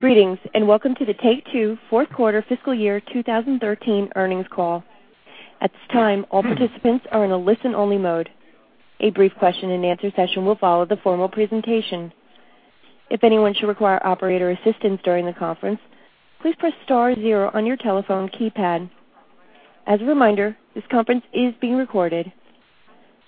Greetings, welcome to the Take-Two fourth quarter fiscal year 2013 earnings call. At this time, all participants are in a listen-only mode. A brief question-and-answer session will follow the formal presentation. If anyone should require operator assistance during the conference, please press star zero on your telephone keypad. As a reminder, this conference is being recorded.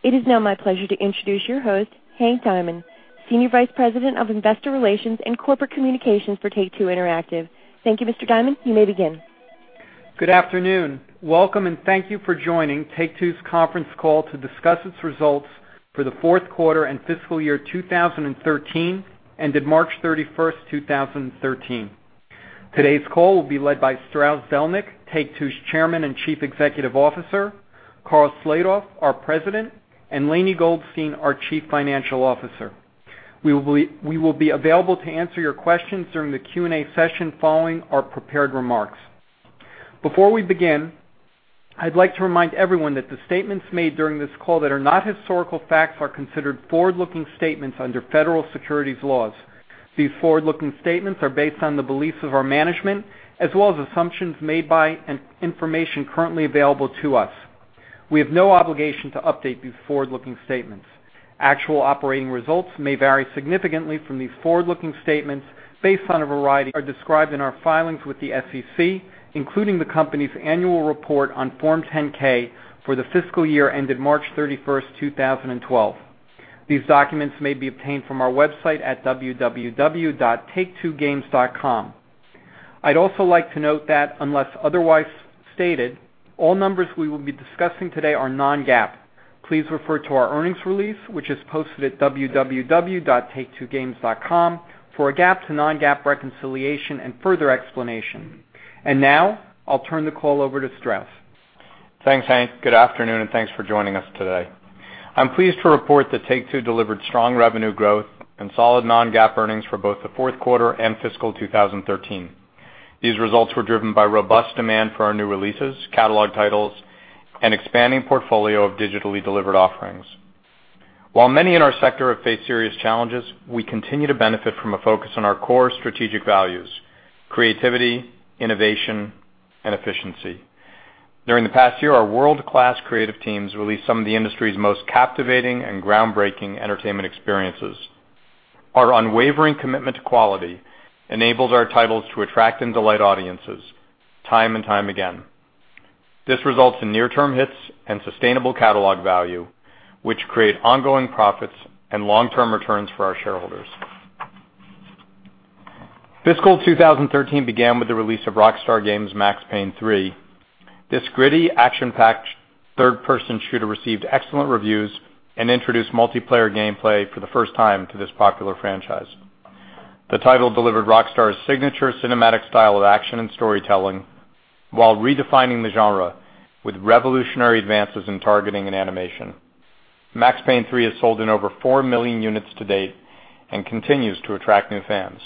It is now my pleasure to introduce your host, Hank Diamond, Senior Vice President of Investor Relations and Corporate Communications for Take-Two Interactive. Thank you, Mr. Diamond. You may begin. Good afternoon. Welcome, thank you for joining Take-Two's conference call to discuss its results for the fourth quarter and fiscal year 2013, ended March 31st, 2013. Today's call will be led by Strauss Zelnick, Take-Two's Chairman and Chief Executive Officer, Karl Slatoff, our President, and Lainie Goldstein, our Chief Financial Officer. We will be available to answer your questions during the Q&A session following our prepared remarks. Before we begin, I'd like to remind everyone that the statements made during this call that are not historical facts are considered forward-looking statements under federal securities laws. These forward-looking statements are based on the beliefs of our management as well as assumptions made by information currently available to us. We have no obligation to update these forward-looking statements. Actual operating results may vary significantly from these forward-looking statements based on a variety described in our filings with the SEC, including the company's annual report on Form 10-K for the fiscal year ended March 31st, 2012. These documents may be obtained from our website at www.taketwogames.com. I'd also like to note that unless otherwise stated, all numbers we will be discussing today are non-GAAP. Please refer to our earnings release, which is posted at www.taketwogames.com for a GAAP to non-GAAP reconciliation and further explanation. Now I'll turn the call over to Strauss. Thanks, Hank. Good afternoon, thanks for joining us today. I'm pleased to report that Take-Two delivered strong revenue growth and solid non-GAAP earnings for both the fourth quarter and fiscal 2013. These results were driven by robust demand for our new releases, catalog titles, and expanding portfolio of digitally delivered offerings. While many in our sector have faced serious challenges, we continue to benefit from a focus on our core strategic values: creativity, innovation, and efficiency. During the past year, our world-class creative teams released some of the industry's most captivating and groundbreaking entertainment experiences. Our unwavering commitment to quality enables our titles to attract and delight audiences time and time again. This results in near-term hits and sustainable catalog value, which create ongoing profits and long-term returns for our shareholders. Fiscal 2013 began with the release of Rockstar Games' "Max Payne 3." This gritty, action-packed third-person shooter received excellent reviews and introduced multiplayer gameplay for the first time to this popular franchise. The title delivered Rockstar's signature cinematic style of action and storytelling while redefining the genre with revolutionary advances in targeting and animation. "Max Payne 3" has sold in over 4 million units to date and continues to attract new fans.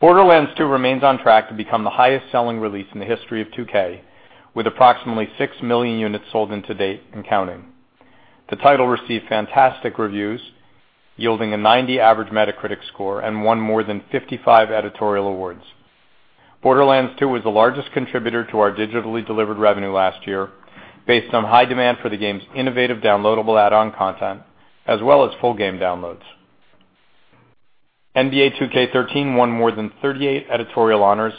"Borderlands 2" remains on track to become the highest-selling release in the history of 2K, with approximately 6 million units sold in to date and counting. The title received fantastic reviews, yielding a 90 average Metacritic score and won more than 55 editorial awards. "Borderlands 2" was the largest contributor to our digitally delivered revenue last year based on high demand for the game's innovative downloadable add-on content as well as full game downloads. NBA 2K13" won more than 38 editorial honors,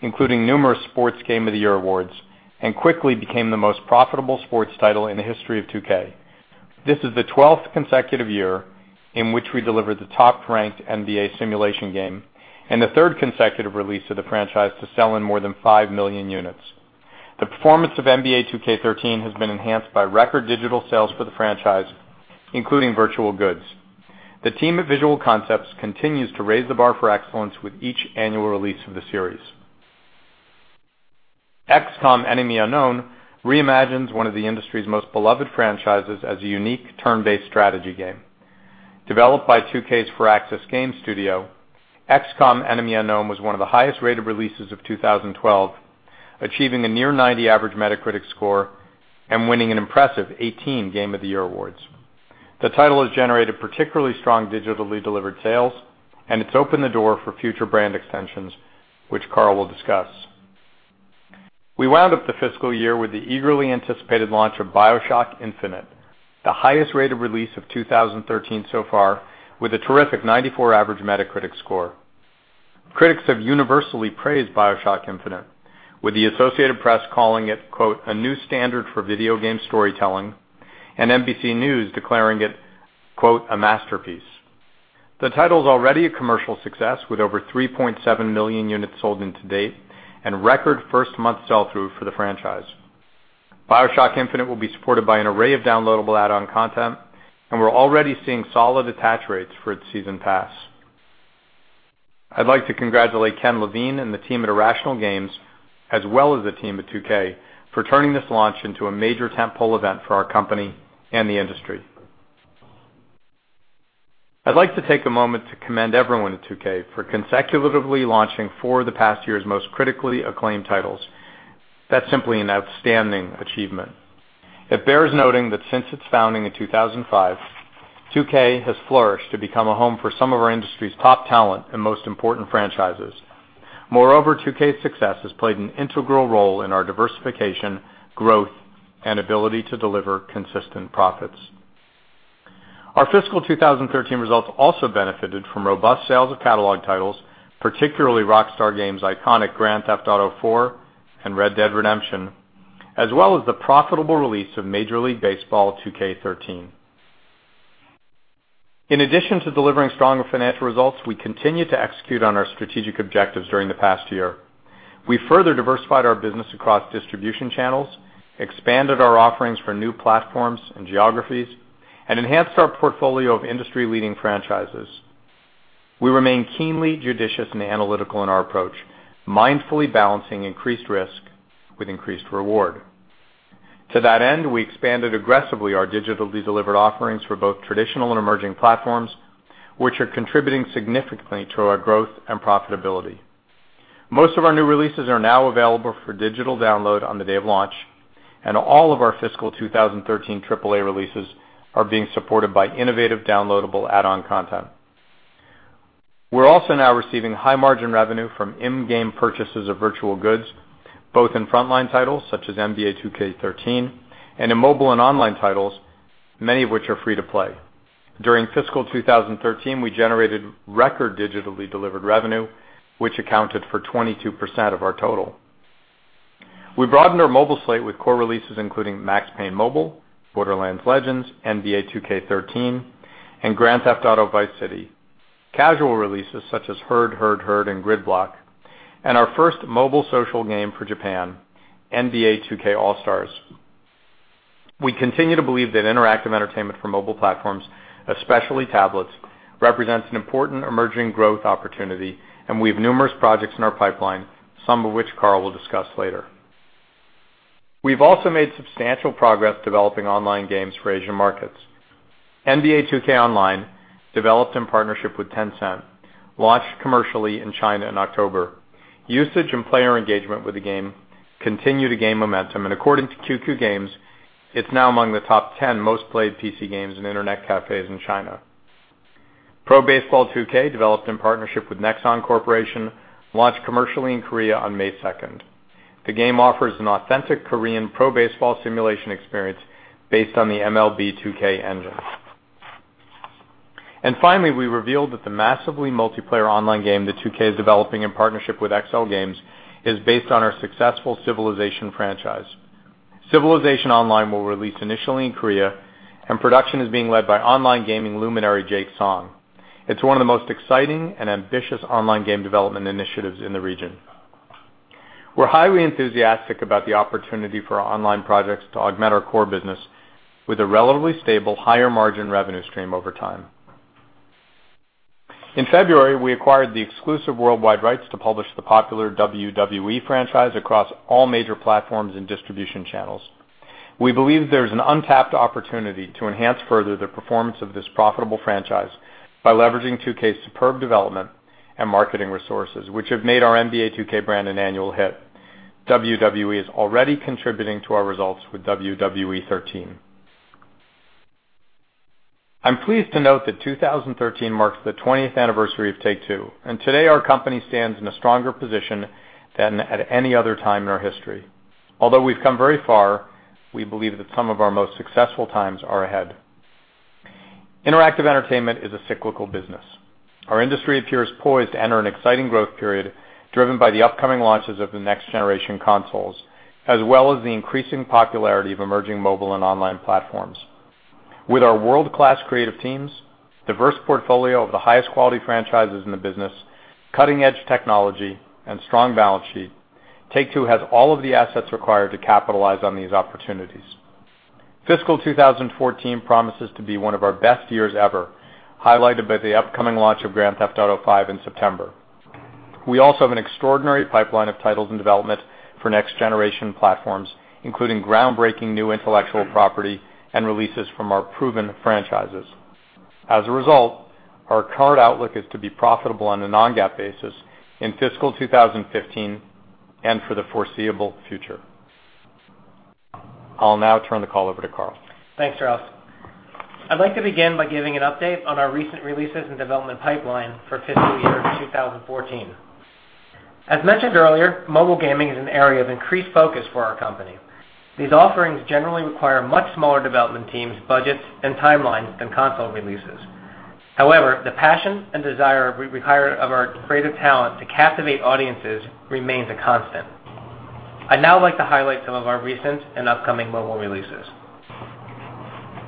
including numerous sports game of the year awards, and quickly became the most profitable sports title in the history of 2K. This is the 12th consecutive year in which we delivered the top-ranked NBA simulation game and the third consecutive release of the franchise to sell in more than 5 million units. The performance of "NBA 2K13" has been enhanced by record digital sales for the franchise, including virtual goods. The team at Visual Concepts continues to raise the bar for excellence with each annual release of the series. "XCOM: Enemy Unknown" re-imagines one of the industry's most beloved franchises as a unique turn-based strategy game. Developed by 2K's Firaxis Games studio, "XCOM: Enemy Unknown" was one of the highest-rated releases of 2012, achieving a near 90 average Metacritic score and winning an impressive 18 game of the year awards. The title has generated particularly strong digitally delivered sales. It's opened the door for future brand extensions, which Karl will discuss. We wound up the fiscal year with the eagerly anticipated launch of "BioShock Infinite," the highest-rated release of 2013 so far with a terrific 94 average Metacritic score. Critics have universally praised "BioShock Infinite," with the Associated Press calling it, quote, "a new standard for video game storytelling," and NBC News declaring it, quote, "a masterpiece." The title's already a commercial success with over 3.7 million units sold in to date and record first-month sell-through for the franchise. "BioShock Infinite" will be supported by an array of downloadable add-on content, and we're already seeing solid attach rates for its season pass. I'd like to congratulate Ken Levine and the team at Irrational Games as well as the team at 2K for turning this launch into a major tentpole event for our company and the industry. I'd like to take a moment to commend everyone at 2K for consecutively launching four of the past year's most critically acclaimed titles. That's simply an outstanding achievement. It bears noting that since its founding in 2005, 2K has flourished to become a home for some of our industry's top talent and most important franchises. Moreover, 2K's success has played an integral role in our diversification, growth, and ability to deliver consistent profits. Our fiscal 2013 results also benefited from robust sales of catalog titles, particularly Rockstar Games' iconic "Grand Theft Auto IV" and "Red Dead Redemption," as well as the profitable release of "Major League Baseball 2K13." In addition to delivering stronger financial results, we continued to execute on our strategic objectives during the past year. We further diversified our business across distribution channels, expanded our offerings for new platforms and geographies, and enhanced our portfolio of industry-leading franchises. We remain keenly judicious and analytical in our approach, mindfully balancing increased risk with increased reward. To that end, we expanded aggressively our digitally delivered offerings for both traditional and emerging platforms, which are contributing significantly to our growth and profitability. Most of our new releases are now available for digital download on the day of launch, and all of our fiscal 2013 AAA releases are being supported by innovative downloadable add-on content. We're also now receiving high margin revenue from in-game purchases of virtual goods, both in frontline titles such as "NBA 2K13" and in mobile and online titles, many of which are free-to-play. During fiscal 2013, we generated record digitally delivered revenue, which accounted for 22% of our total. We broadened our mobile slate with core releases including "Max Payne Mobile," "Borderlands Legends," "NBA 2K13," and "Grand Theft Auto: Vice City," casual releases such as "Herd, Herd" and "GridBlock," and our first mobile social game for Japan, "NBA 2K All Stars." We continue to believe that interactive entertainment for mobile platforms, especially tablets, represents an important emerging growth opportunity, and we have numerous projects in our pipeline, some of which Karl will discuss later. We've also made substantial progress developing online games for Asian markets. NBA 2K Online," developed in partnership with Tencent, launched commercially in China in October. Usage and player engagement with the game continue to gain momentum, and according to QQ Games, it's now among the top 10 most-played PC games in internet cafes in China. "Pro Baseball 2K," developed in partnership with Nexon Corporation, launched commercially in Korea on May 2nd. The game offers an authentic Korean pro baseball simulation experience based on the MLB 2K engine. Finally, we revealed that the massively multiplayer online game that 2K is developing in partnership with XLGames is based on our successful "Civilization" franchise. "Civilization Online" will release initially in Korea, and production is being led by online gaming luminary Jake Song. It's one of the most exciting and ambitious online game development initiatives in the region. We're highly enthusiastic about the opportunity for our online projects to augment our core business with a relatively stable, higher margin revenue stream over time. In February, we acquired the exclusive worldwide rights to publish the popular "WWE" franchise across all major platforms and distribution channels. We believe there is an untapped opportunity to enhance further the performance of this profitable franchise by leveraging 2K's superb development and marketing resources, which have made our "NBA 2K" brand an annual hit. "WWE" is already contributing to our results with "WWE '13." I'm pleased to note that 2013 marks the 20th anniversary of Take-Two, and today our company stands in a stronger position than at any other time in our history. Although we've come very far, we believe that some of our most successful times are ahead. Interactive entertainment is a cyclical business. Our industry appears poised to enter an exciting growth period driven by the upcoming launches of the next-generation consoles, as well as the increasing popularity of emerging mobile and online platforms. With our world-class creative teams, diverse portfolio of the highest quality franchises in the business, cutting-edge technology, and strong balance sheet, Take-Two has all of the assets required to capitalize on these opportunities. Fiscal 2014 promises to be one of our best years ever, highlighted by the upcoming launch of Grand Theft Auto V in September. We also have an extraordinary pipeline of titles in development for next-generation platforms, including groundbreaking new intellectual property and releases from our proven franchises. As a result, our current outlook is to be profitable on a non-GAAP basis in fiscal 2015 and for the foreseeable future. I'll now turn the call over to Karl. Thanks, Strauss. I'd like to begin by giving an update on our recent releases and development pipeline for fiscal year 2014. As mentioned earlier, mobile gaming is an area of increased focus for our company. These offerings generally require much smaller development teams, budgets, and timelines than console releases. However, the passion and desire we require of our creative talent to captivate audiences remains a constant. I'd now like to highlight some of our recent and upcoming mobile releases.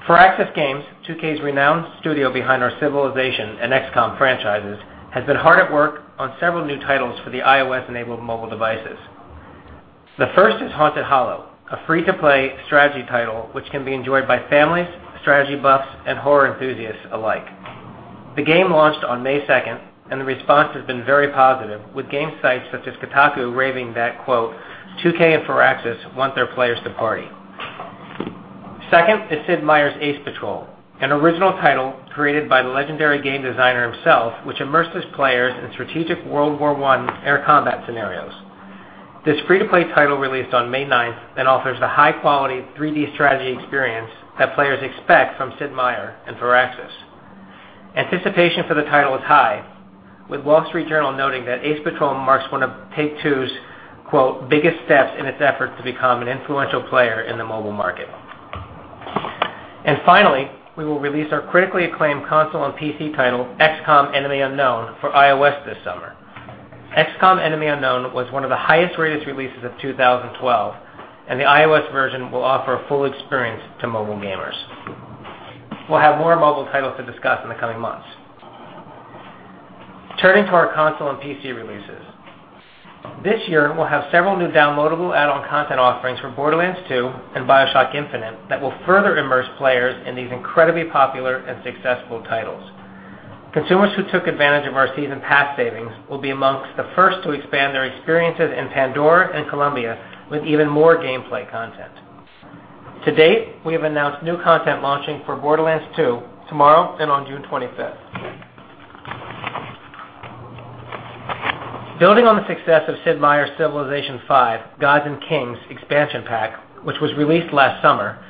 Firaxis Games, 2K's renowned studio behind our Civilization and XCOM franchises, has been hard at work on several new titles for the iOS-enabled mobile devices. The first is Haunted Hollow, a free-to-play strategy title which can be enjoyed by families, strategy buffs, and horror enthusiasts alike. The game launched on May 2nd, and the response has been very positive, with game sites such as Kotaku raving that, quote, "2K and Firaxis want their players to party." Second is Sid Meier's Ace Patrol, an original title created by the legendary game designer himself, which immerses players in strategic World War I air combat scenarios. This free-to-play title released on May 9th and offers the high-quality 3D strategy experience that players expect from Sid Meier and Firaxis. Anticipation for the title is high, with The Wall Street Journal noting that Ace Patrol marks one of Take-Two's "biggest steps in its effort to become an influential player in the mobile market." Finally, we will release our critically acclaimed console and PC title, XCOM: Enemy Unknown, for iOS this summer. XCOM: Enemy Unknown was one of the highest-rated releases of 2012, and the iOS version will offer a full experience to mobile gamers. We'll have more mobile titles to discuss in the coming months. Turning to our console and PC releases. This year, we'll have several new downloadable add-on content offerings for Borderlands 2 and BioShock Infinite that will further immerse players in these incredibly popular and successful titles. Consumers who took advantage of our season pass savings will be amongst the first to expand their experiences in Pandora and Columbia with even more gameplay content. To date, we have announced new content launching for Borderlands 2 tomorrow and on June 25th. Building on the success of Sid Meier's Civilization V: Gods & Kings expansion pack, which was released last summer,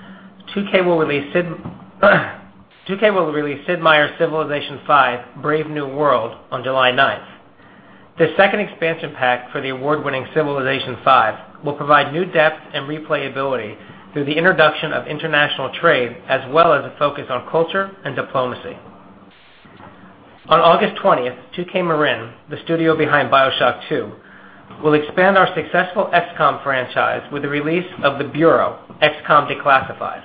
2K will release Sid Meier's Civilization V: Brave New World on July 9th. This second expansion pack for the award-winning Civilization V will provide new depth and replayability through the introduction of international trade, as well as a focus on culture and diplomacy. On August 20th, 2K Marin, the studio behind BioShock 2, will expand our successful XCOM franchise with the release of The Bureau: XCOM Declassified.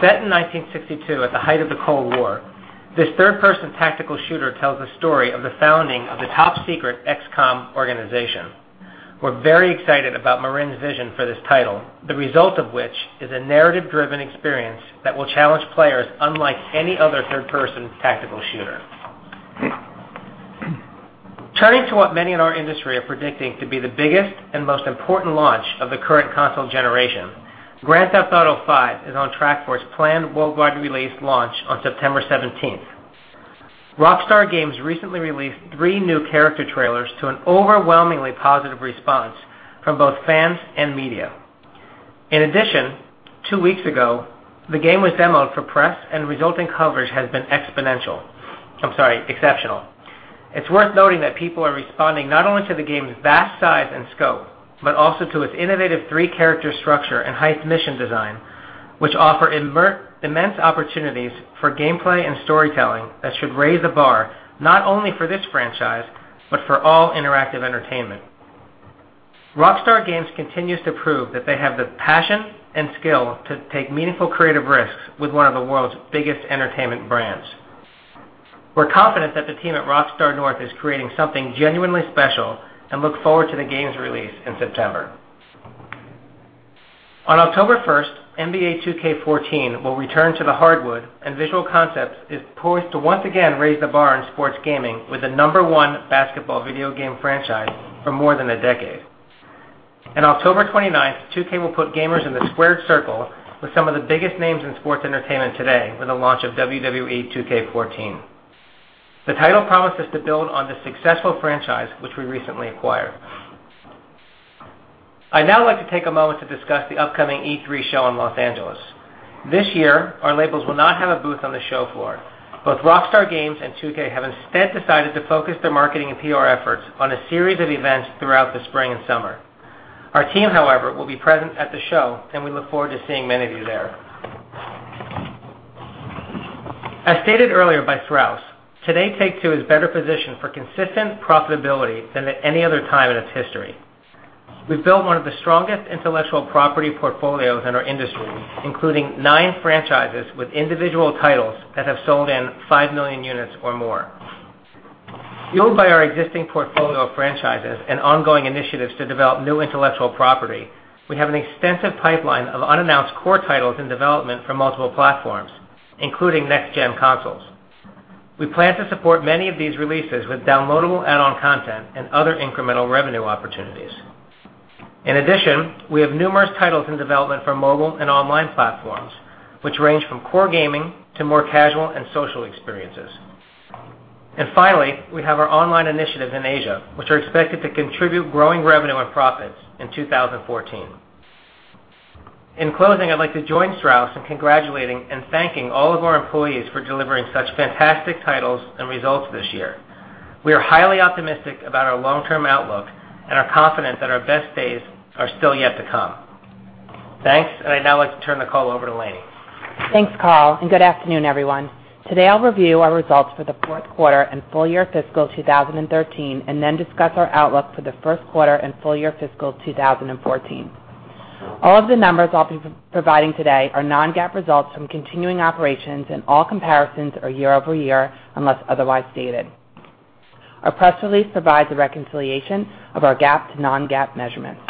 Set in 1962 at the height of the Cold War, this third-person tactical shooter tells the story of the founding of the top-secret XCOM organization. We're very excited about Marin's vision for this title, the result of which is a narrative-driven experience that will challenge players unlike any other third-person tactical shooter. Turning to what many in our industry are predicting to be the biggest and most important launch of the current console generation, Grand Theft Auto V is on track for its planned worldwide release launch on September 17th. Rockstar Games recently released three new character trailers to an overwhelmingly positive response from both fans and media. In addition, two weeks ago, the game was demoed for press, and the resulting coverage has been exceptional. It's worth noting that people are responding not only to the game's vast size and scope, but also to its innovative three-character structure and heist mission design, which offer immense opportunities for gameplay and storytelling that should raise the bar not only for this franchise, but for all interactive entertainment. Rockstar Games continues to prove that they have the passion and skill to take meaningful creative risks with one of the world's biggest entertainment brands. We're confident that the team at Rockstar North is creating something genuinely special and look forward to the game's release in September. On October 1st, NBA 2K14 will return to the hardwood, and Visual Concepts is poised to once again raise the bar in sports gaming with the number one basketball video game franchise for more than a decade. On October 29th, 2K will put gamers in the squared circle with some of the biggest names in sports entertainment today with the launch of WWE 2K14. The title promises to build on the successful franchise, which we recently acquired. I'd now like to take a moment to discuss the upcoming E3 show in L.A. This year, our labels will not have a booth on the show floor. Both Rockstar Games and 2K have instead decided to focus their marketing and PR efforts on a series of events throughout the spring and summer. Our team, however, will be present at the show, and we look forward to seeing many of you there. As stated earlier by Strauss, today Take-Two is better positioned for consistent profitability than at any other time in its history. We've built one of the strongest intellectual property portfolios in our industry, including nine franchises with individual titles that have sold in 5 million units or more. Fueled by our existing portfolio of franchises and ongoing initiatives to develop new intellectual property, we have an extensive pipeline of unannounced core titles in development for multiple platforms, including next-gen consoles. We plan to support many of these releases with downloadable add-on content and other incremental revenue opportunities. Finally, we have our online initiatives in Asia, which are expected to contribute growing revenue and profits in 2014. In closing, I'd like to join Strauss in congratulating and thanking all of our employees for delivering such fantastic titles and results this year. We are highly optimistic about our long-term outlook and are confident that our best days are still yet to come. Thanks, I'd now like to turn the call over to Lainie. Thanks, Karl, good afternoon, everyone. Today, I'll review our results for the fourth quarter and full year fiscal 2013, then discuss our outlook for the first quarter and full year fiscal 2014. All of the numbers I'll be providing today are non-GAAP results from continuing operations, all comparisons are year-over-year, unless otherwise stated. Our press release provides a reconciliation of our GAAP to non-GAAP measurements.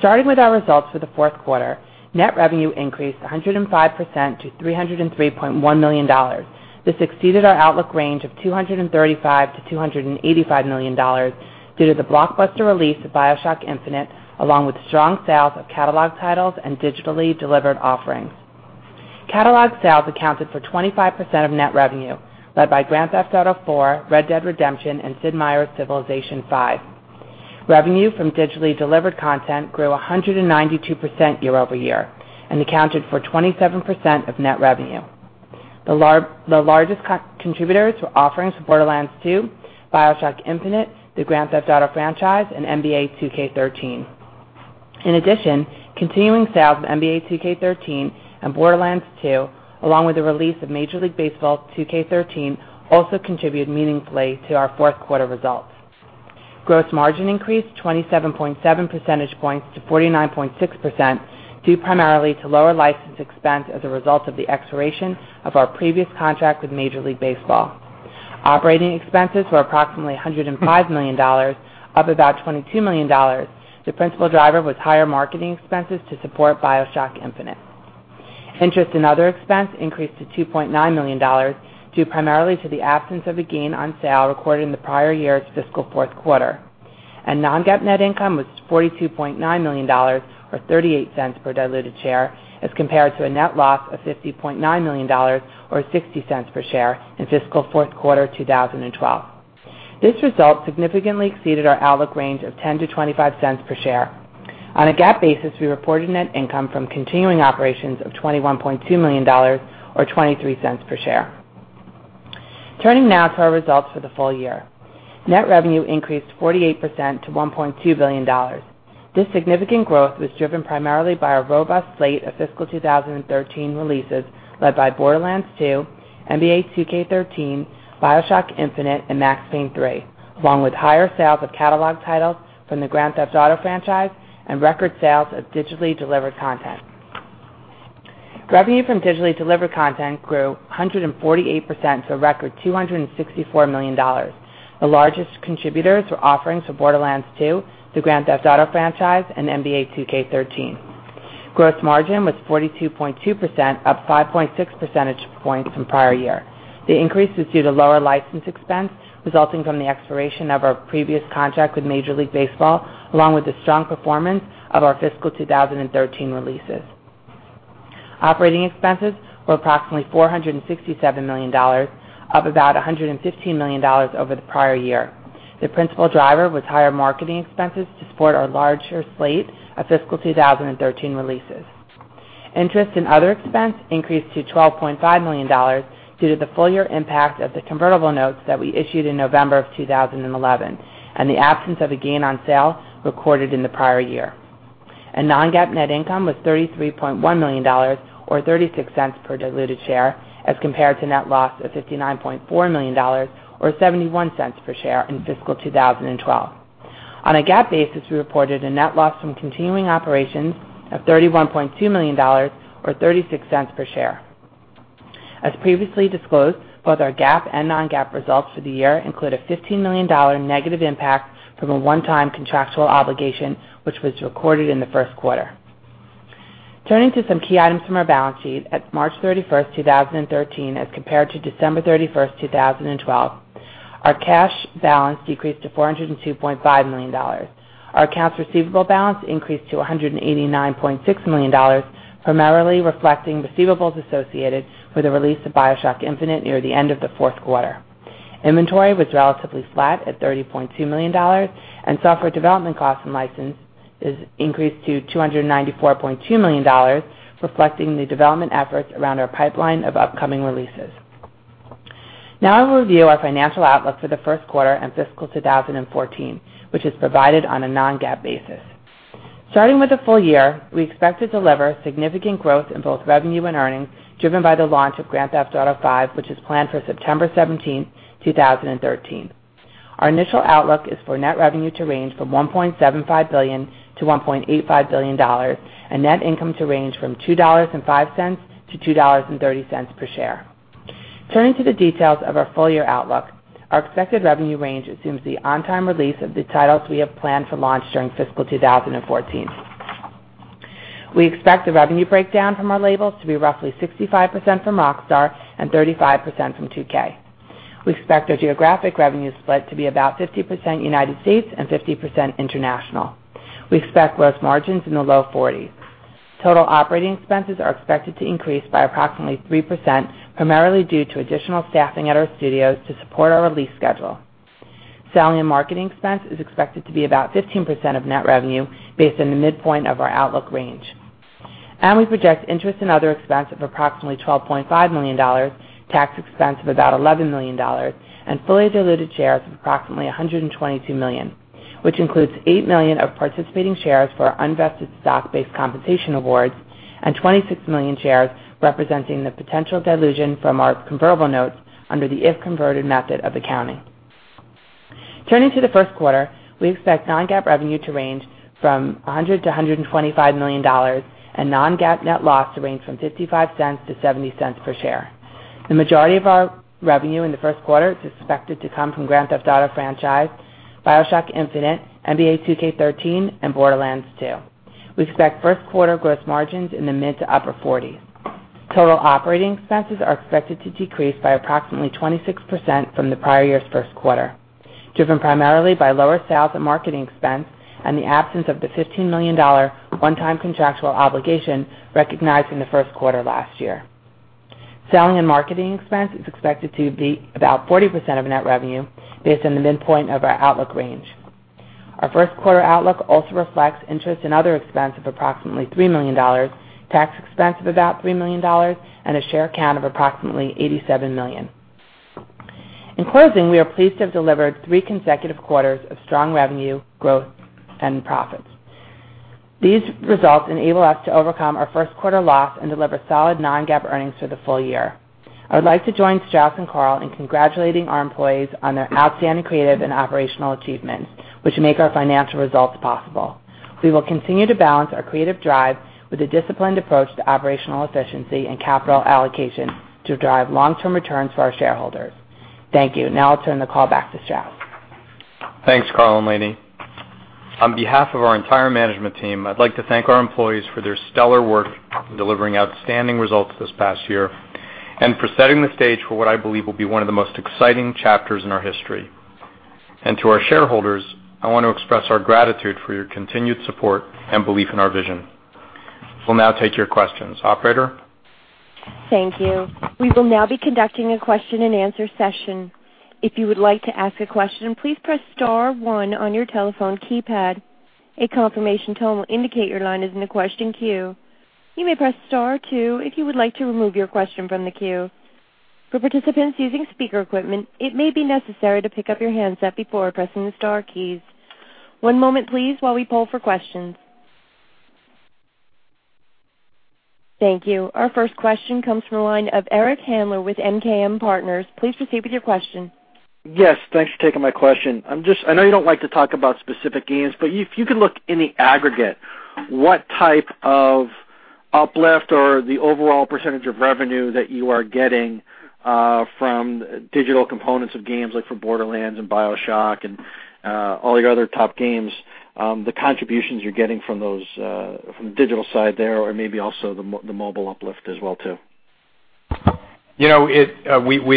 Starting with our results for the fourth quarter, net revenue increased 105% to $303.1 million. This exceeded our outlook range of $235 million-$285 million due to the blockbuster release of BioShock Infinite, along with strong sales of catalog titles and digitally delivered offerings. Catalog sales accounted for 25% of net revenue, led by Grand Theft Auto IV, Red Dead Redemption, and Sid Meier's Civilization V. Revenue from digitally delivered content grew 192% year-over-year accounted for 27% of net revenue. The largest contributors were offerings for Borderlands 2, BioShock Infinite, the Grand Theft Auto franchise, and NBA 2K13. In addition, continuing sales of NBA 2K13 and Borderlands 2, along with the release of Major League Baseball 2K13, also contributed meaningfully to our fourth quarter results. Gross margin increased 27.7 percentage points to 49.6%, due primarily to lower license expense as a result of the expiration of our previous contract with Major League Baseball. Operating expenses were approximately $105 million, up about $22 million. The principal driver was higher marketing expenses to support BioShock Infinite. Interest in other expense increased to $2.9 million, due primarily to the absence of a gain on sale recorded in the prior year's fiscal fourth quarter. Non-GAAP net income was $42.9 million, or $0.38 per diluted share, as compared to a net loss of $50.9 million or $0.60 per share in fiscal fourth quarter 2012. This result significantly exceeded our outlook range of $0.10-$0.25 per share. On a GAAP basis, we reported net income from continuing operations of $21.2 million or $0.23 per share. Turning now to our results for the full year. Net revenue increased 48% to $1.2 billion. This significant growth was driven primarily by our robust slate of fiscal 2013 releases, led by Borderlands 2, NBA 2K13, BioShock Infinite, and Max Payne 3, along with higher sales of catalog titles from the Grand Theft Auto franchise record sales of digitally delivered content. Revenue from digitally delivered content grew 148% to a record $264 million. The largest contributors were offerings for "Borderlands 2," the "Grand Theft Auto" franchise, and "NBA 2K13." Gross margin was 42.2%, up 5.6 percentage points from prior year. The increase was due to lower license expense resulting from the expiration of our previous contract with Major League Baseball, along with the strong performance of our fiscal 2013 releases. Operating expenses were approximately $467 million, up about $115 million over the prior year. The principal driver was higher marketing expenses to support our larger slate of fiscal 2013 releases. Interest in other expense increased to $12.5 million due to the full year impact of the convertible notes that we issued in November of 2011 and the absence of a gain on sale recorded in the prior year. Non-GAAP net income was $33.1 million or $0.36 per diluted share as compared to net loss of $59.4 million or $0.71 per share in fiscal 2012. On a GAAP basis, we reported a net loss from continuing operations of $31.2 million or $0.36 per share. As previously disclosed, both our GAAP and non-GAAP results for the year include a $15 million negative impact from a one-time contractual obligation, which was recorded in the first quarter. Turning to some key items from our balance sheet at March 31st, 2013 as compared to December 31st, 2012. Our cash balance decreased to $402.5 million. Our accounts receivable balance increased to $189.6 million, primarily reflecting receivables associated with the release of "BioShock Infinite" near the end of the fourth quarter. Inventory was relatively flat at $30.2 million, and software development costs and licenses increased to $294.2 million, reflecting the development efforts around our pipeline of upcoming releases. Now I will review our financial outlook for the first quarter and fiscal 2014, which is provided on a non-GAAP basis. Starting with the full year, we expect to deliver significant growth in both revenue and earnings, driven by the launch of "Grand Theft Auto V," which is planned for September 17th, 2013. Our initial outlook is for net revenue to range from $1.75 billion-$1.85 billion and net income to range from $2.05-$2.30 per share. Turning to the details of our full year outlook. Our expected revenue range assumes the on-time release of the titles we have planned for launch during fiscal 2014. We expect the revenue breakdown from our labels to be roughly 65% from Rockstar and 35% from 2K. We expect our geographic revenue split to be about 50% U.S. and 50% international. We expect gross margins in the low 40s. Total operating expenses are expected to increase by approximately 3%, primarily due to additional staffing at our studios to support our release schedule. Selling and marketing expense is expected to be about 15% of net revenue based on the midpoint of our outlook range. We project interest in other expense of approximately $12.5 million, tax expense of about $11 million, and fully diluted shares of approximately 122 million, which includes 8 million of participating shares for unvested stock-based compensation awards and 26 million shares representing the potential dilution from our convertible notes under the if-converted method of accounting. Turning to the first quarter, we expect non-GAAP revenue to range from $100 million-$125 million and non-GAAP net loss to range from $0.55-$0.70 per share. The majority of our revenue in the first quarter is expected to come from Grand Theft Auto franchise, BioShock Infinite, NBA 2K13, and Borderlands 2. We expect first quarter gross margins in the mid to upper 40s. Total operating expenses are expected to decrease by approximately 26% from the prior year's first quarter, driven primarily by lower sales and marketing expense and the absence of the $15 million one-time contractual obligation recognized in the first quarter last year. Selling and marketing expense is expected to be about 40% of net revenue based on the midpoint of our outlook range. Our first quarter outlook also reflects interest in other expense of approximately $3 million, tax expense of about $3 million, and a share count of approximately 87 million. In closing, we are pleased to have delivered three consecutive quarters of strong revenue growth and profits. These results enable us to overcome our first quarter loss and deliver solid non-GAAP earnings for the full year. I would like to join Strauss and Karl in congratulating our employees on their outstanding creative and operational achievements, which make our financial results possible. We will continue to balance our creative drive with a disciplined approach to operational efficiency and capital allocation to drive long-term returns for our shareholders. Thank you. I'll turn the call back to Strauss. Thanks, Karl and Lainie. On behalf of our entire management team, I'd like to thank our employees for their stellar work in delivering outstanding results this past year, and for setting the stage for what I believe will be one of the most exciting chapters in our history. To our shareholders, I want to express our gratitude for your continued support and belief in our vision. We'll now take your questions. Operator? Thank you. We will now be conducting a question and answer session. If you would like to ask a question, please press star one on your telephone keypad. A confirmation tone will indicate your line is in the question queue. You may press star two if you would like to remove your question from the queue. For participants using speaker equipment, it may be necessary to pick up your handset before pressing the star keys. One moment, please, while we poll for questions. Thank you. Our first question comes from the line of Eric Handler with MKM Partners. Please proceed with your question. Yes, thanks for taking my question. I know you don't like to talk about specific games, if you could look in the aggregate, what type of uplift or the overall % of revenue that you are getting from digital components of games like for Borderlands and BioShock and all your other top games, the contributions you're getting from the digital side there, or maybe also the mobile uplift as well too. We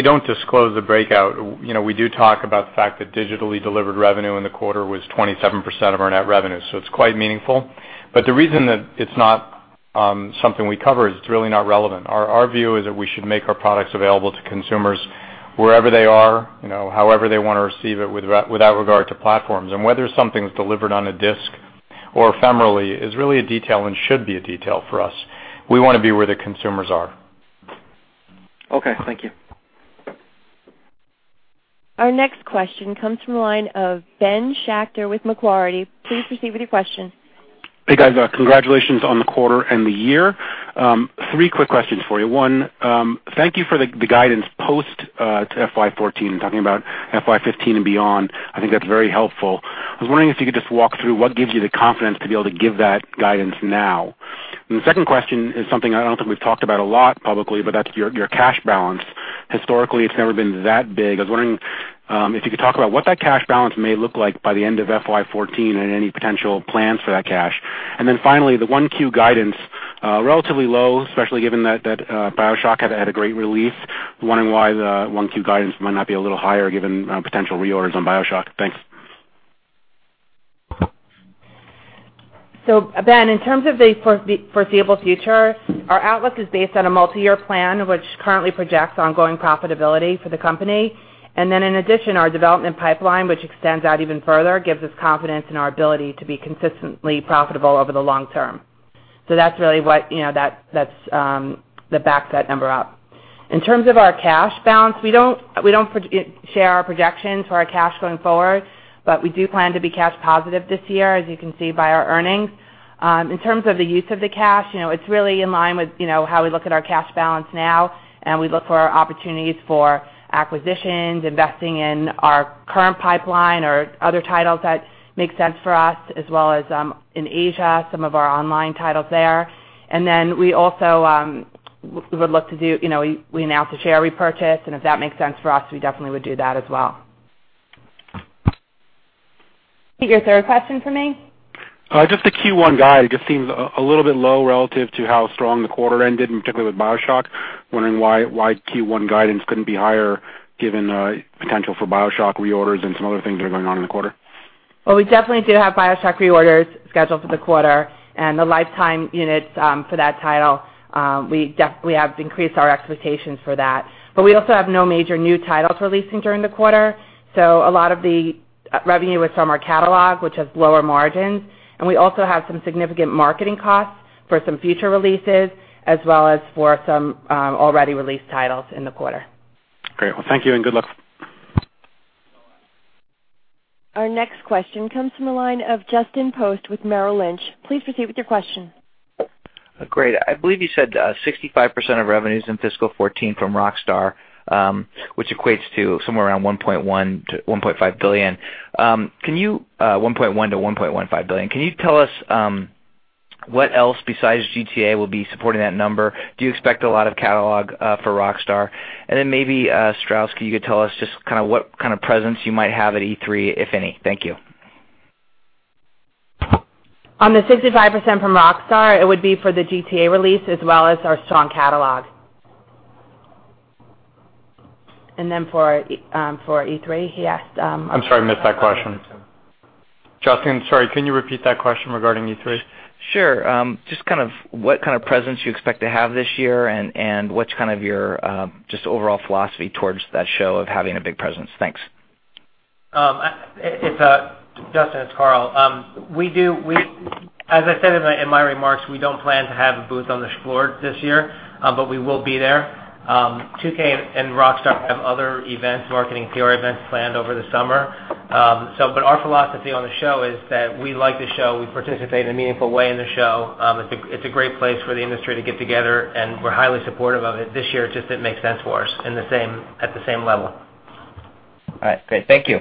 don't disclose the breakout. We do talk about the fact that digitally delivered revenue in the quarter was 27% of our net revenue, it's quite meaningful. The reason that it's not something we cover is it's really not relevant. Our view is that we should make our products available to consumers wherever they are, however they want to receive it, without regard to platforms. Whether something's delivered on a disk or ephemerally is really a detail and should be a detail for us. We want to be where the consumers are. Okay. Thank you. Our next question comes from the line of Ben Schachter with Macquarie. Please proceed with your question. Hey, guys. Congratulations on the quarter and the year. 3 quick questions for you. One, thank you for the guidance post to FY 2014, talking about FY 2015 and beyond. I think that's very helpful. I was wondering if you could just walk through what gives you the confidence to be able to give that guidance now. The second question is something I don't think we've talked about a lot publicly, but that's your cash balance. Historically, it's never been that big. I was wondering if you could talk about what that cash balance may look like by the end of FY 2014 and any potential plans for that cash. Finally, the 1Q guidance, relatively low, especially given that BioShock had a great release. I'm wondering why the 1Q guidance might not be a little higher given potential reorders on BioShock. Thanks. Ben, in terms of the foreseeable future, our outlook is based on a multi-year plan, which currently projects ongoing profitability for the company. In addition, our development pipeline, which extends out even further, gives us confidence in our ability to be consistently profitable over the long term. That's really what backs that number up. In terms of our cash balance, we don't share our projections for our cash going forward, but we do plan to be cash positive this year, as you can see by our earnings. In terms of the use of the cash, it's really in line with how we look at our cash balance now, and we look for opportunities for acquisitions, investing in our current pipeline or other titles that make sense for us, as well as in Asia, some of our online titles there. We also would look to do, we announced a share repurchase, and if that makes sense for us, we definitely would do that as well. Repeat your third question for me? Just the Q1 guide, it just seems a little bit low relative to how strong the quarter ended, in particular with BioShock. Wondering why Q1 guidance couldn't be higher given potential for BioShock reorders and some other things that are going on in the quarter. We definitely do have BioShock reorders scheduled for the quarter and the lifetime units for that title, we have increased our expectations for that. We also have no major new titles releasing during the quarter, so a lot of the revenue is from our catalog, which has lower margins. We also have some significant marketing costs for some future releases, as well as for some already released titles in the quarter. Great. Thank you, and good luck. Our next question comes from the line of Justin Post with Merrill Lynch. Please proceed with your question. Great. I believe you said 65% of revenues in fiscal 2014 from Rockstar, which equates to somewhere around $1.1 billion-$1.5 billion. Can you tell us what else besides GTA will be supporting that number? Do you expect a lot of catalog for Rockstar? Then maybe Strauss, can you tell us just what kind of presence you might have at E3, if any? Thank you. On the 65% from Rockstar, it would be for the GTA release as well as our strong catalog. For E3. I'm sorry, I missed that question. Justin, sorry, can you repeat that question regarding E3? Sure. Just what kind of presence you expect to have this year and what's your just overall philosophy towards that show of having a big presence? Thanks. Justin, it's Karl. As I said in my remarks, we don't plan to have a booth on the floor this year, but we will be there. 2K and Rockstar have other events, marketing and PR events planned over the summer. Our philosophy on the show is that we like the show. We participate in a meaningful way in the show. It's a great place for the industry to get together, and we're highly supportive of it. This year it just didn't make sense for us at the same level. All right. Great. Thank you.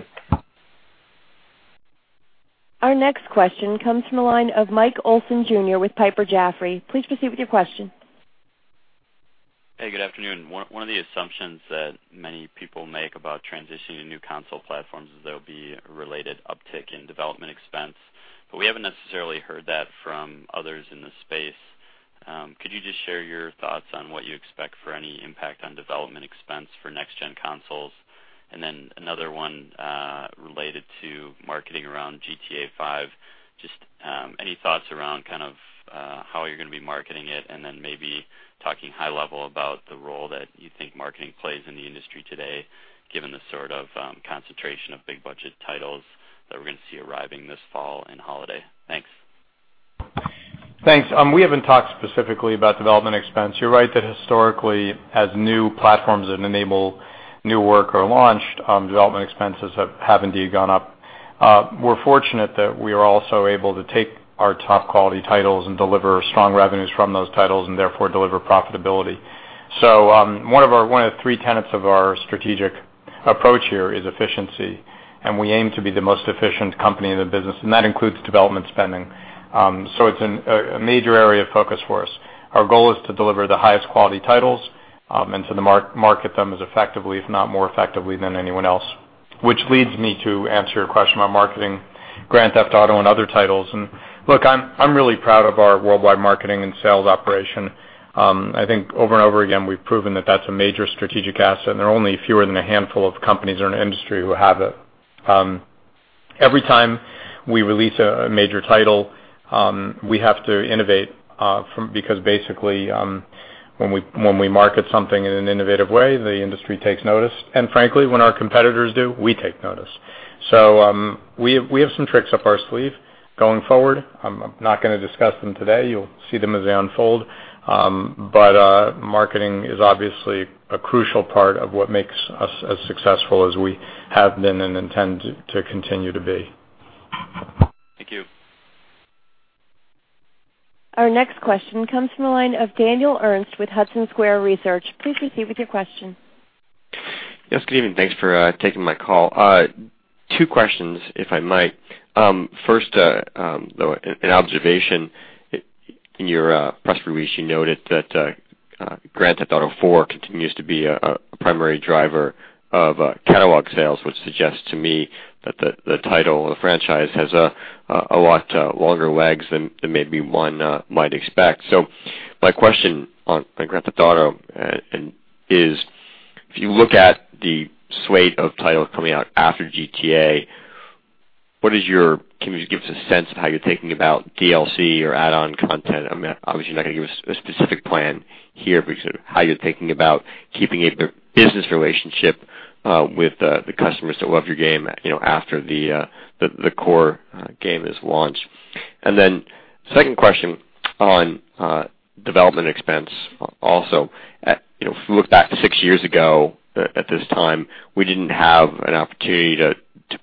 Our next question comes from the line of Mike Olson Jr. with Piper Jaffray. Please proceed with your question. Hey, good afternoon. One of the assumptions that many people make about transitioning to new console platforms is there'll be related uptick in development expense. We haven't necessarily heard that from others in the space. Could you just share your thoughts on what you expect for any impact on development expense for next gen consoles? Another one related to marketing around "GTA V." Just any thoughts around how you're going to be marketing it and then maybe talking high level about the role that you think marketing plays in the industry today, given the sort of concentration of big budget titles that we're going to see arriving this fall and holiday. Thanks. Thanks. We haven't talked specifically about development expense. You're right that historically, as new platforms that enable new work are launched development expenses have indeed gone up. We're fortunate that we are also able to take our top quality titles and deliver strong revenues from those titles and therefore deliver profitability. One of the three tenets of our strategic approach here is efficiency, and we aim to be the most efficient company in the business, and that includes development spending. It's a major area of focus for us. Our goal is to deliver the highest quality titles, and to market them as effectively, if not more effectively, than anyone else, which leads me to answer your question on marketing Grand Theft Auto and other titles. Look, I'm really proud of our worldwide marketing and sales operation. I think over and over again, we've proven that that's a major strategic asset, and there are only fewer than a handful of companies in our industry who have it. Every time we release a major title, we have to innovate because basically, when we market something in an innovative way, the industry takes notice. Frankly, when our competitors do, we take notice. We have some tricks up our sleeve going forward. I'm not going to discuss them today. You'll see them as they unfold. Marketing is obviously a crucial part of what makes us as successful as we have been and intend to continue to be. Thank you. Our next question comes from the line of Daniel Ernst with Hudson Square Research. Please proceed with your question. Yes, good evening. Thanks for taking my call. Two questions, if I might. First, an observation. In your press release, you noted that "Grand Theft Auto IV" continues to be a primary driver of catalog sales, which suggests to me that the title or the franchise has a lot longer legs than maybe one might expect. My question on Grand Theft Auto is, if you look at the slate of titles coming out after GTA, can you give us a sense of how you're thinking about DLC or add-on content? Obviously, you're not going to give us a specific plan here, but how you're thinking about keeping a business relationship with the customers that love your game after the core game is launched. Second question on development expense also. If you look back to six years ago at this time, we didn't have an opportunity to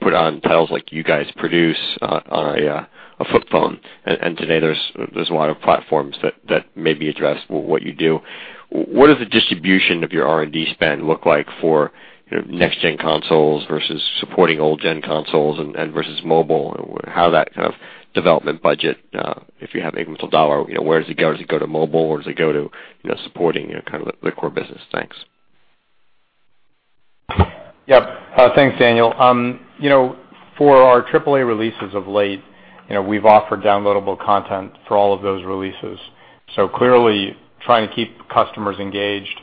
put on titles like you guys produce on a flip phone. Today there's a lot of platforms that maybe address what you do. What does the distribution of your R&D spend look like for next gen consoles versus supporting old gen consoles and versus mobile, and how that kind of development budget if you have incremental $1, where does it go? Does it go to mobile or does it go to supporting kind of the core business? Thanks. Yep. Thanks, Daniel. For our AAA releases of late we've offered downloadable content for all of those releases. Clearly trying to keep customers engaged,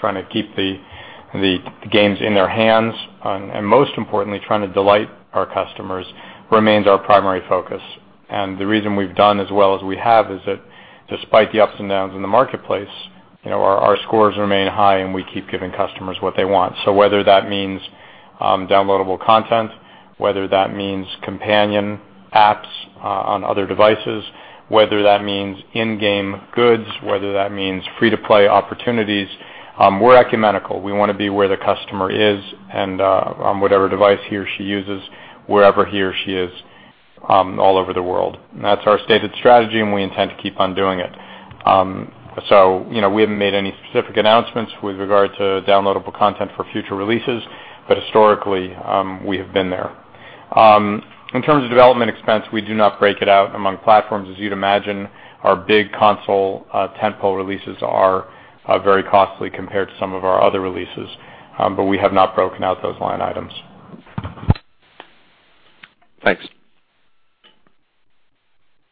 trying to keep the games in their hands, and most importantly, trying to delight our customers remains our primary focus. The reason we've done as well as we have is that despite the ups and downs in the marketplace our scores remain high and we keep giving customers what they want. Whether that means downloadable content, whether that means companion apps on other devices, whether that means in-game goods, whether that means free-to-play opportunities, we're ecumenical. We want to be where the customer is and on whatever device he or she uses, wherever he or she is all over the world. That's our stated strategy, and we intend to keep on doing it. We haven't made any specific announcements with regard to downloadable content for future releases, but historically, we have been there. In terms of development expense, we do not break it out among platforms. As you'd imagine, our big console tentpole releases are very costly compared to some of our other releases. We have not broken out those line items. Thanks.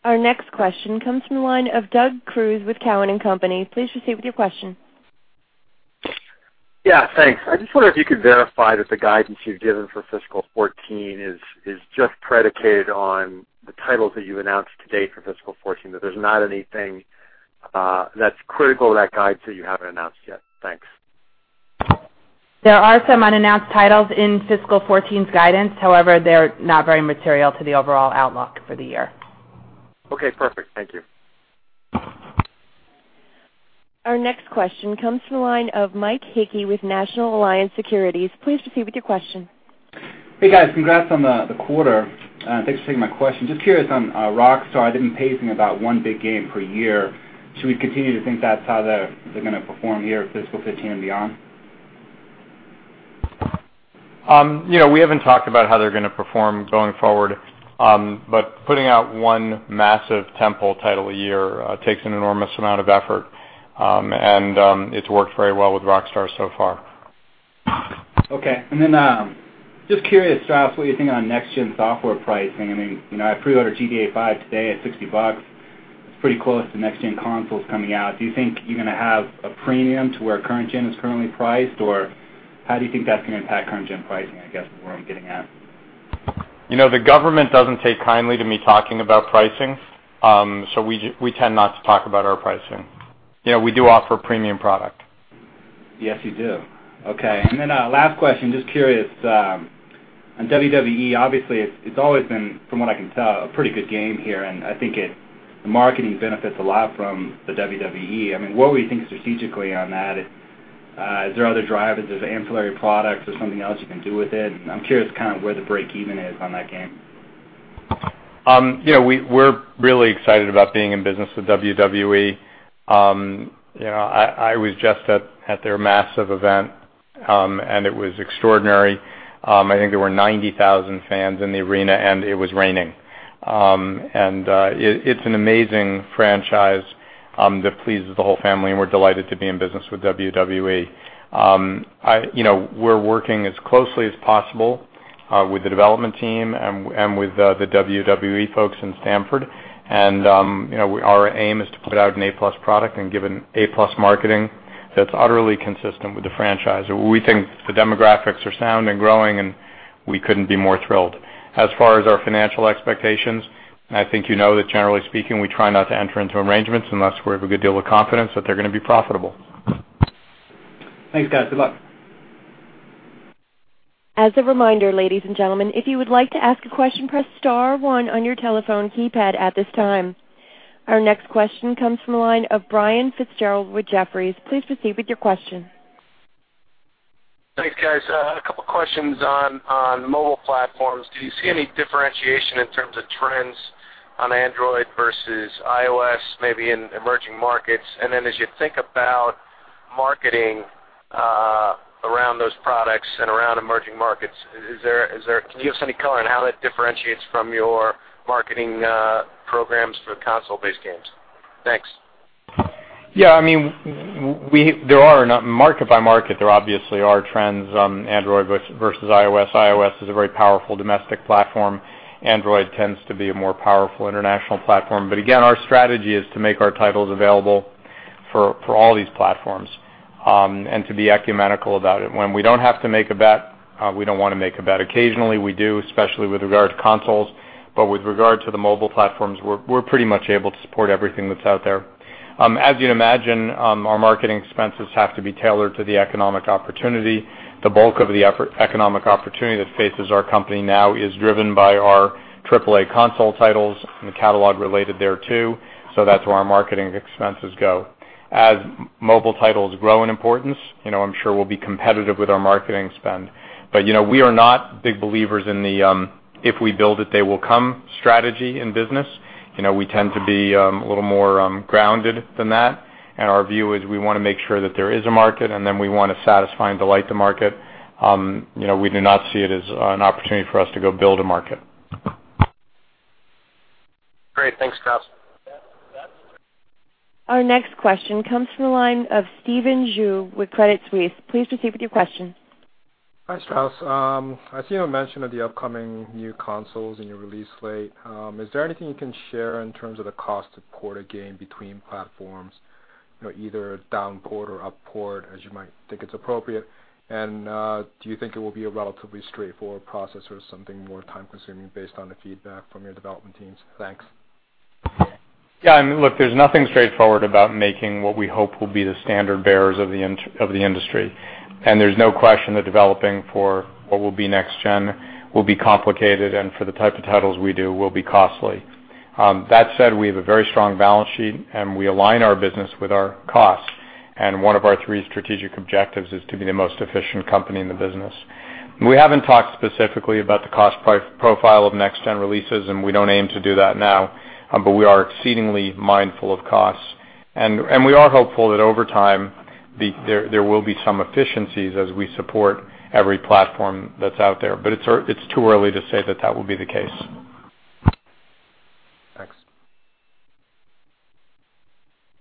Our next question comes from the line of Doug Creutz with Cowen and Company. Please proceed with your question. Yeah, thanks. I just wonder if you could verify that the guidance you've given for fiscal 2014 is just predicated on the titles that you've announced to date for fiscal 2014, that there's not anything that's critical to that guide that you haven't announced yet. Thanks. There are some unannounced titles in fiscal 2014's guidance. However, they're not very material to the overall outlook for the year. Okay, perfect. Thank you. Our next question comes from the line of Michael Hickey with National Alliance Securities. Please proceed with your question. Hey, guys. Congrats on the quarter. Thanks for taking my question. Just curious on Rockstar. I've been pacing about one big game per year. Should we continue to think that's how they're going to perform here fiscal 2015 and beyond? We haven't talked about how they're going to perform going forward. Putting out one massive tentpole title a year takes an enormous amount of effort. It's worked very well with Rockstar so far. Okay. Just curious, Strauss, what you think on next-gen software pricing. I pre-ordered GTA V today at $60. It's pretty close to next-gen consoles coming out. Do you think you're going to have a premium to where current gen is currently priced, or how do you think that's going to impact current gen pricing, I guess, is where I'm getting at? The government doesn't take kindly to me talking about pricing. We tend not to talk about our pricing. We do offer premium product. Yes, you do. Okay, last question, just curious. On WWE, obviously, it's always been, from what I can tell, a pretty good game here, and I think the marketing benefits a lot from the WWE. What were you thinking strategically on that? Is there other drivers? Is it ancillary products? Is there something else you can do with it? I'm curious kind of where the break-even is on that game. We're really excited about being in business with WWE. I was just at their massive event, and it was extraordinary. I think there were 90,000 fans in the arena, and it was raining. It's an amazing franchise that pleases the whole family, and we're delighted to be in business with WWE. We're working as closely as possible with the development team and with the WWE folks in Stamford. Our aim is to put out an A-plus product and give an A-plus marketing that's utterly consistent with the franchise. We think the demographics are sound and growing, and we couldn't be more thrilled. As far as our financial expectations, and I think you know that generally speaking, we try not to enter into arrangements unless we have a good deal of confidence that they're going to be profitable. Thanks, guys. Good luck. As a reminder, ladies and gentlemen, if you would like to ask a question, press *1 on your telephone keypad at this time. Our next question comes from the line of Brian Fitzgerald with Jefferies. Please proceed with your question. Thanks, guys. A couple questions on mobile platforms. Do you see any differentiation in terms of trends on Android versus iOS, maybe in emerging markets? Then as you think about marketing around those products and around emerging markets, can you give us any color on how that differentiates from your marketing programs for console-based games? Thanks. Yeah. Market by market, there obviously are trends on Android versus iOS. iOS is a very powerful domestic platform. Android tends to be a more powerful international platform. Again, our strategy is to make our titles available for all these platforms and to be ecumenical about it. When we don't have to make a bet, we don't want to make a bet. Occasionally we do, especially with regard to consoles. With regard to the mobile platforms, we're pretty much able to support everything that's out there. As you'd imagine, our marketing expenses have to be tailored to the economic opportunity. The bulk of the economic opportunity that faces our company now is driven by our AAA console titles and the catalog related thereto. That's where our marketing expenses go. As mobile titles grow in importance, I'm sure we'll be competitive with our marketing spend. We are not big believers in the if-we-build-it-they-will-come strategy in business. We tend to be a little more grounded than that, and our view is we want to make sure that there is a market, and then we want to satisfy and delight the market. We do not see it as an opportunity for us to go build a market. Great. Thanks, Strauss. Our next question comes from the line of Stephen Ju with Credit Suisse. Please proceed with your question. Hi, Strauss. I've seen you mention of the upcoming new consoles in your release slate. Is there anything you can share in terms of the cost to port a game between platforms, either down-port or up-port, as you might think it's appropriate? Do you think it will be a relatively straightforward process or something more time-consuming based on the feedback from your development teams? Thanks. Yeah, look, there's nothing straightforward about making what we hope will be the standard-bearers of the industry. There's no question that developing for what will be next-gen will be complicated, and for the type of titles we do, will be costly. That said, we have a very strong balance sheet, and we align our business with our costs, and one of our three strategic objectives is to be the most efficient company in the business. We haven't talked specifically about the cost profile of next-gen releases, and we don't aim to do that now, but we are exceedingly mindful of costs, and we are hopeful that over time, there will be some efficiencies as we support every platform that's out there. It's too early to say that that will be the case. Thanks.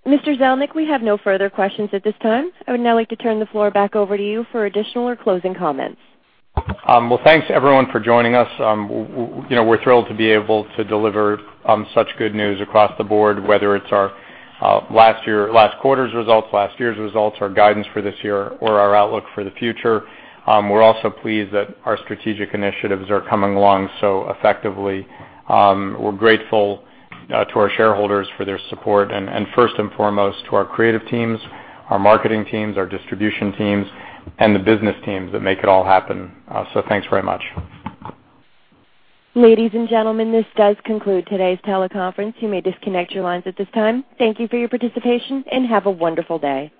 Mr. Zelnick, we have no further questions at this time. I would now like to turn the floor back over to you for additional or closing comments. Well, thanks everyone for joining us. We're thrilled to be able to deliver such good news across the board, whether it's our last quarter's results, last year's results, our guidance for this year, or our outlook for the future. We're also pleased that our strategic initiatives are coming along so effectively. We're grateful to our shareholders for their support and first and foremost to our creative teams, our marketing teams, our distribution teams, and the business teams that make it all happen. Thanks very much. Ladies and gentlemen, this does conclude today's teleconference. You may disconnect your lines at this time. Thank you for your participation, and have a wonderful day.